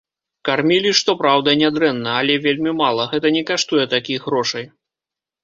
Кармілі, што праўда, нядрэнна, але вельмі мала, гэта не каштуе такіх грошай.